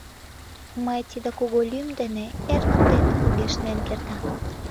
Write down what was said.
Мый тиде кугу лӱм дене, эргым дене кугешнен кертам.